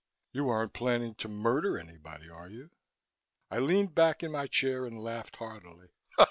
You aren't planning to murder anybody, are you?" I leaned back in my chair and laughed heartily.